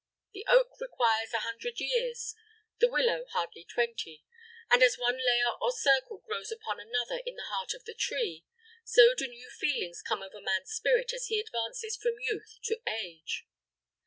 The oak requires a hundred years; the willow hardly twenty; and as one layer or circle grows upon another in the heart of the tree, so do new feelings come over man's spirit as he advances from youth to age.